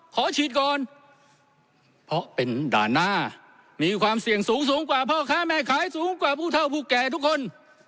ขอฉีดก่อนเพราะเป็นด่านหน้ามีความเสี่ยงสูงสูงกว่าพ่อค้าแม่ขายสูงกว่าผู้เท่าผู้แก่ทุกคน